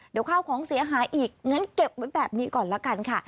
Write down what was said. เดี๋ยวข้าวของเสียหายอีกงั้นเก็บไว้แบบนี้ก่อนละกันค่ะ